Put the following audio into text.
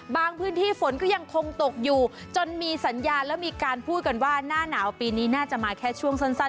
พื้นที่ฝนก็ยังคงตกอยู่จนมีสัญญาณแล้วมีการพูดกันว่าหน้าหนาวปีนี้น่าจะมาแค่ช่วงสั้น